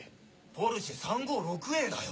ポルシェ３５６Ａだよ。